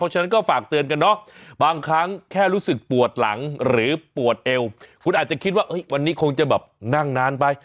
ฉะนั้นก็ฝากเตือนกันเนาะบางครั้งแค่รู้สึกปวดหลังหรือปวดเอวคุณอาจจะคิดว่าวันนี้คงจะแบบนั่งนานไป